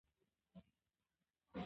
رسول الله صلی الله عليه وسلم به